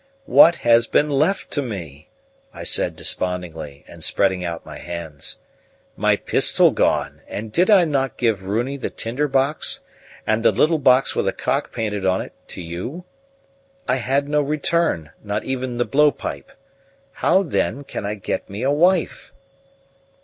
"What has been left to me?" I said despondingly and spreading out my hands. "My pistol gone, and did I not give Runi the tinder box, and the little box with a cock painted on it to you? I had no return not even the blow pipe. How, then, can I get me a wife?"